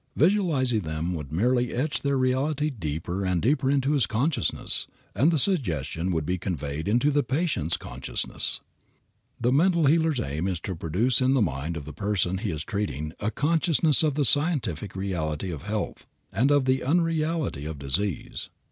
Visualizing them would merely etch their reality deeper and deeper in his consciousness, and the suggestion would be conveyed into the patient's consciousness. The mental healer's aim is to produce in the mind of the person he is treating a consciousness of the scientific reality of health, and of the unreality of disease.